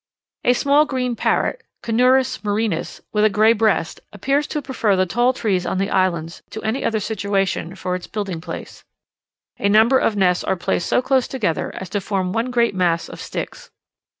A small green parrot (Conurus murinus), with a grey breast, appears to prefer the tall trees on the islands to any other situation for its building place. A number of nests are placed so close together as to form one great mass of sticks.